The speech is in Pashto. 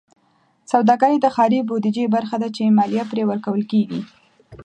سوداګرۍ د ښاري بودیجې برخه ده چې مالیه پرې ورکول کېږي.